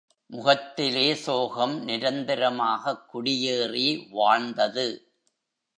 முகத்திலே சோகம் நிரந்தரமாகக் குடியேறி வாழ்ந்தது.